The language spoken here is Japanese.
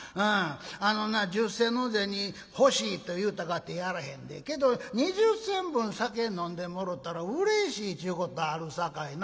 あのな十銭の銭欲しいと言うたかてやらへんで。けど二十銭分酒飲んでもろたらうれしいちゅうことあるさかいな」。